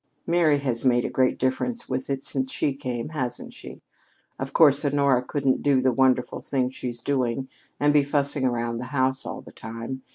"Mary has made a great difference with it since she came, hasn't she? Of course Honora couldn't do the wonderful things she's doing and be fussing around the house all the time.